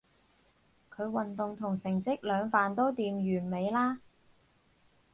佢運動同成績兩瓣都掂，完美啦